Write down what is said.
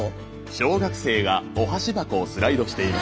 小学生がお箸箱をスライドしています。